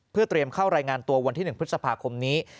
เพื่อเตรียมเข้ารายงานตัววันที่๑พฤษภาคมนี้